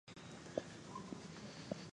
پښتانه به په میړانه جنګېدلې.